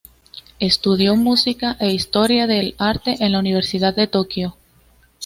Estudió música e historia del arte en la universidad de Tokio.